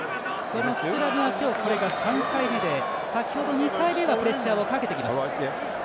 スクラムは今日、これが３回目で先ほど２回目はプレッシャーをかけてきました。